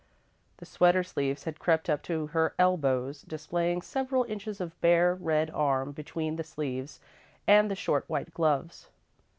The sweater sleeves had crept up to her elbows, displaying several inches of bare, red arm between the sleeves and the short white gloves.